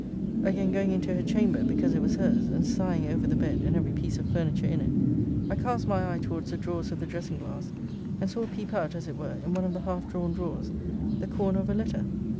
Again going into her chamber, because it was her's, and sighing over the bed, and every piece of furniture in it, I cast my eye towards the drawers of the dressing glass, and saw peep out, as it were, in one of the half drawn drawers, the corner of a letter.